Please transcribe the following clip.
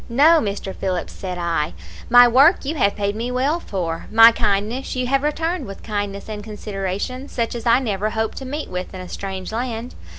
"'No, Mr. Phillips,' said I, 'my work you have paid me well for; my kindness you have returned with kindness and consideration such as I never hoped to meet with in a strange land.